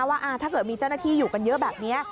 ว่าถ้าเกิดมีเจ้าหน้าที่อยู่กันเยอะแบบนี้